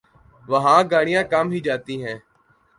وہاں گاڑیاں کم ہی جاتی ہیں ۔